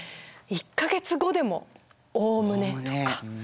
１か月後でも「おおむね」とか。